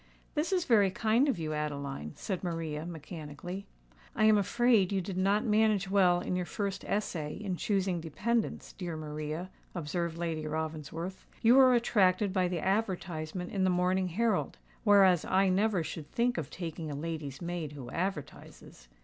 "This is very kind of you, Adeline," said Maria, mechanically. "I am afraid you did not manage well in your first essay in choosing dependants, dear Maria," observed Lady Ravensworth. "You were attracted by the advertisement in the Morning Herald; whereas I never should think of taking a lady's maid who advertises.